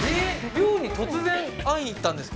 寮に突然会いに行ったんですか？